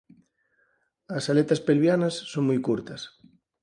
As aletas pelvianas son moi curtas.